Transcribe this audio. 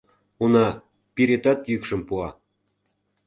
Уна, пиретат йӱкшым пуа.